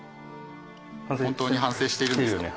本当に反省しているんですかね？